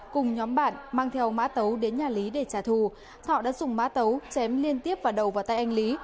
cùng nhóm bạn mang theo mã tấu đến nhà lý để trả thù thọ đã dùng mã tấu chém liên tiếp vào đầu vào tay anh lý